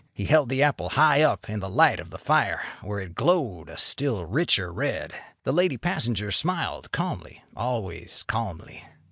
He held the apple high up in the light of the fire, where it glowed a still richer red. The lady passenger smiled calmly—always calmly.